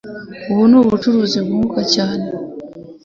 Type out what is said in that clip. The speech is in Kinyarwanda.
Ubu ni ubucuruzi bwunguka cyane.